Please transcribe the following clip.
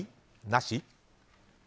なし？